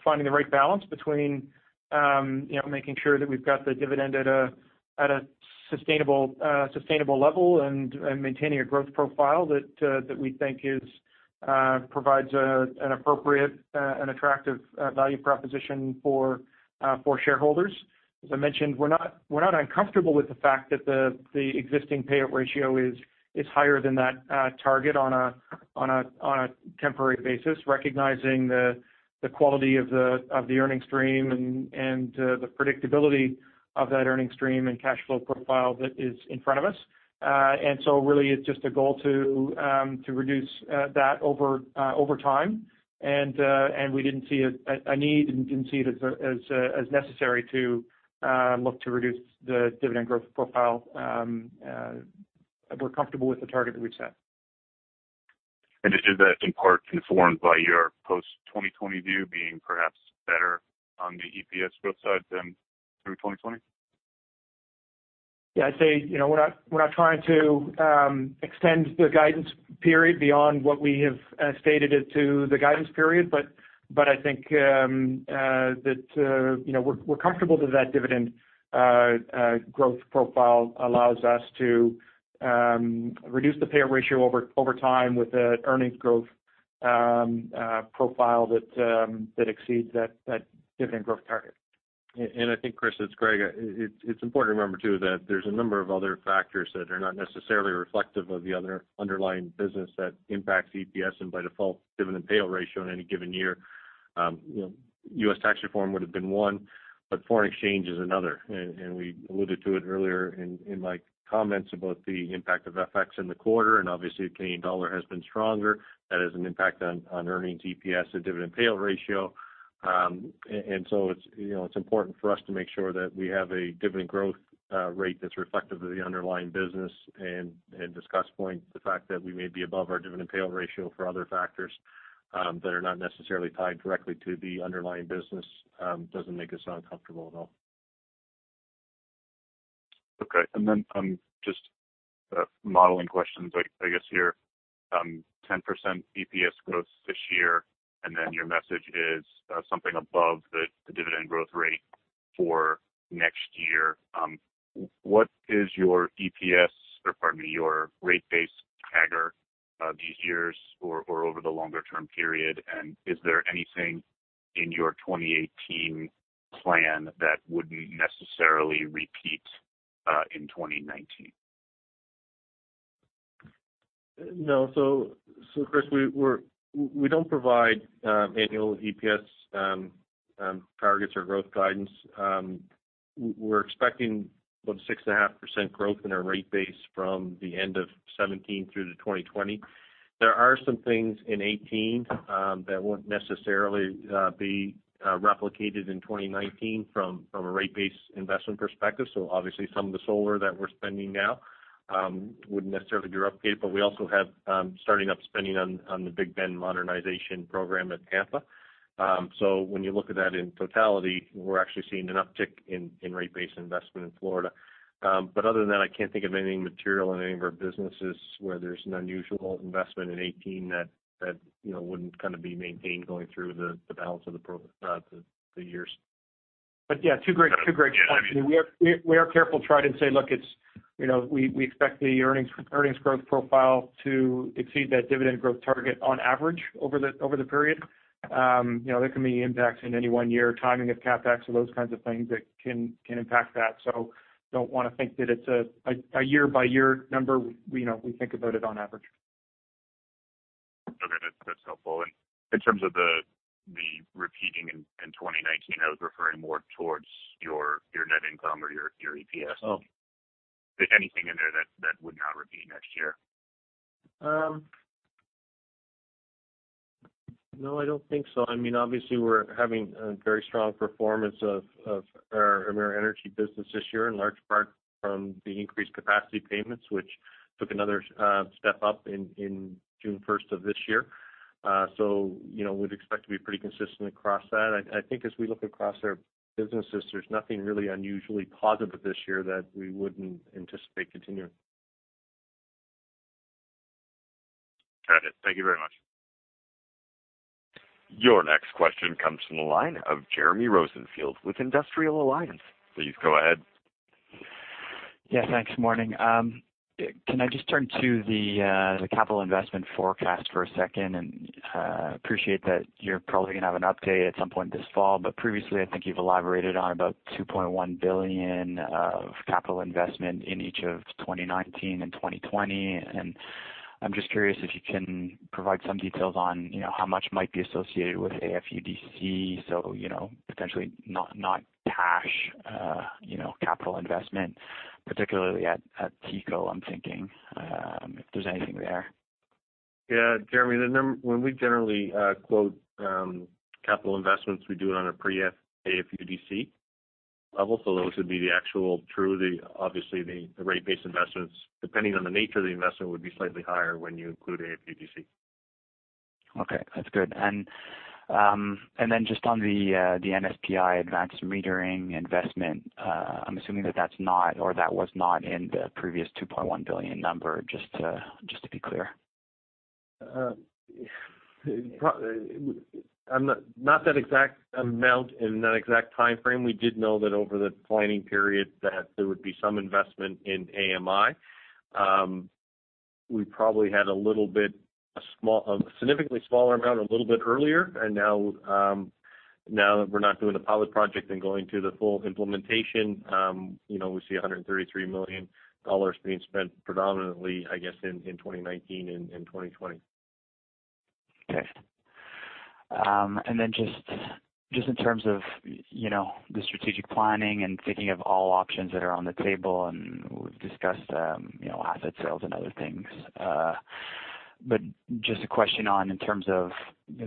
finding the right balance between making sure that we've got the dividend at a sustainable level and maintaining a growth profile that we think provides an appropriate and attractive value proposition for shareholders. As I mentioned, we're not uncomfortable with the fact that the existing payout ratio is higher than that target on a temporary basis, recognizing the quality of the earning stream and the predictability of that earning stream and cash flow profile that is in front of us. Really, it's just a goal to reduce that over time, and we didn't see a need and didn't see it as necessary to look to reduce the dividend growth profile. We're comfortable with the target that we've set. Is that in part informed by your post-2020 view being perhaps better on the EPS growth side than through 2020? Yeah, I'd say we're not trying to extend the guidance period beyond what we have stated as to the guidance period. I think that we're comfortable that that dividend growth profile allows us to reduce the payout ratio over time with an earnings growth profile that exceeds that dividend growth target. I think, Chris, it's Greg. It's important to remember, too, that there's a number of other factors that are not necessarily reflective of the other underlying business that impacts EPS and by default, dividend payout ratio in any given year. U.S. tax reform would have been one, but foreign exchange is another. We alluded to it earlier in my comments about the impact of FX in the quarter, and obviously, the Canadian dollar has been stronger. That has an impact on earnings EPS and dividend payout ratio. It's important for us to make sure that we have a dividend growth rate that's reflective of the underlying business. Scott's point, the fact that we may be above our dividend payout ratio for other factors that are not necessarily tied directly to the underlying business, doesn't make us uncomfortable at all. Okay. Just modeling questions, I guess here. 10% EPS growth this year, then your message is something above the dividend growth rate for next year. What is your rate base CAGR these years or over the longer-term period? Is there anything in your 2018 plan that wouldn't necessarily repeat in 2019? No. Chris, we don't provide annual EPS targets or growth guidance. We're expecting about 6.5% growth in our rate base from the end of 2017 through to 2020. There are some things in 2018 that won't necessarily be replicated in 2019 from a rate base investment perspective. Obviously, some of the solar that we're spending now wouldn't necessarily be replicated, but we also have starting up spending on the Big Bend modernization program at Tampa. When you look at that in totality, we're actually seeing an uptick in rate base investment in Florida. Other than that, I can't think of anything material in any of our businesses where there's an unusual investment in 2018 that wouldn't kind of be maintained going through the balance of the years. Yeah, two great points. We are careful to try and say, look, we expect the earnings growth profile to exceed that dividend growth target on average over the period. There can be impacts in any one year, timing of CapEx or those kinds of things that can impact that. Don't want to think that it's a year-by-year number. We think about it on average. Okay. That's helpful. In terms of the repeating in 2019, I was referring more towards your net income or your EPS. Oh. If there's anything in there that would not repeat next year. No, I don't think so. Obviously, we're having a very strong performance of our Emera Energy business this year, in large part from the increased capacity payments, which took another step up in June 1st of this year. We'd expect to be pretty consistent across that. I think as we look across our businesses, there's nothing really unusually positive this year that we wouldn't anticipate continuing. Got it. Thank you very much. Your next question comes from the line of Jeremy Rosenfield with Industrial Alliance. Please go ahead. Thanks. Morning. Can I just turn to the capital investment forecast for a second? Appreciate that you're probably going to have an update at some point this fall, but previously, I think you've elaborated on about 2.1 billion of capital investment in each of 2019 and 2020. I'm just curious if you can provide some details on how much might be associated with AFUDC, so potentially not cash capital investment, particularly at TECO, I'm thinking, if there's anything there. Yeah. Jeremy, when we generally quote capital investments, we do it on a pre-AFUDC level. Those would be the actual, truly, obviously, the rate-based investments, depending on the nature of the investment, would be slightly higher when you include AFUDC. Okay, that's good. Then just on the NSPI advanced metering investment, I'm assuming that that's not, or that was not in the previous 2.1 billion number, just to be clear. Not that exact amount in that exact timeframe. We did know that over the planning period that there would be some investment in AMI. We probably had a significantly smaller amount a little bit earlier, now that we're not doing the pilot project and going to the full implementation, we see 133 million dollars being spent predominantly, I guess, in 2019 and 2020. Okay. Then just in terms of the strategic planning and thinking of all options that are on the table, and we've discussed asset sales and other things. Just a question on, in terms of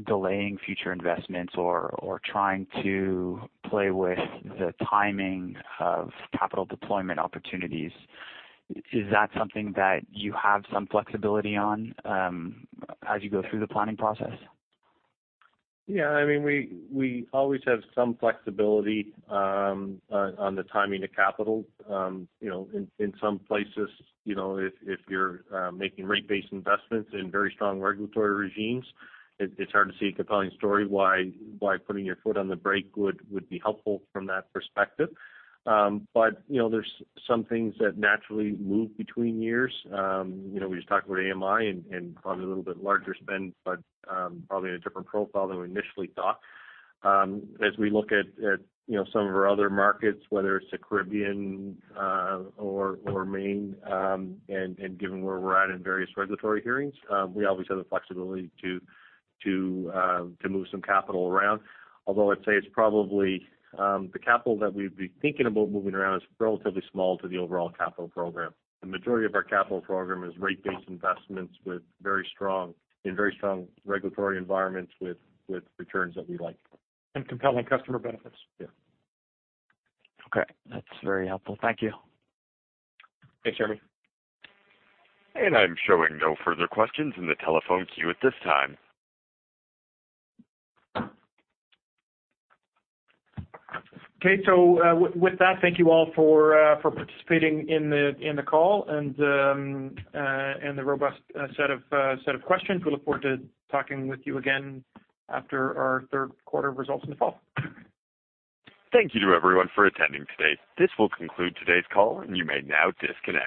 delaying future investments or trying to play with the timing of capital deployment opportunities, is that something that you have some flexibility on as you go through the planning process? Yeah, we always have some flexibility on the timing of capital. In some places, if you're making rate-based investments in very strong regulatory regimes, it's hard to see a compelling story why putting your foot on the brake would be helpful from that perspective. There's some things that naturally move between years. We just talked about AMI and probably a little bit larger spend, but probably in a different profile than we initially thought. As we look at some of our other markets, whether it's the Caribbean or Maine, and given where we're at in various regulatory hearings, we always have the flexibility to move some capital around. I'd say it's probably the capital that we'd be thinking about moving around is relatively small to the overall capital program. The majority of our capital program is rate-based investments in very strong regulatory environments with returns that we like. Compelling customer benefits. Yeah. Okay. That's very helpful. Thank you. Thanks, Jeremy. I'm showing no further questions in the telephone queue at this time. Thank you all for participating in the call and the robust set of questions. We look forward to talking with you again after our third quarter of results in the fall. Thank you to everyone for attending today. This will conclude today's call, and you may now disconnect.